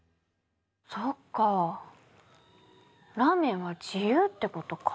そっかラーメンは自由ってことか。